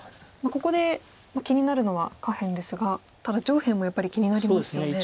ここで気になるのは下辺ですがただ上辺もやっぱり気になりますよね。